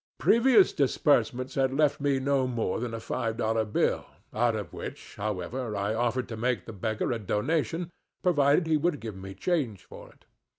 Previous disbursements had left me no more than a five dollar bill, out of which, however, I offered to make the beggar a donation provided he would give me change for it.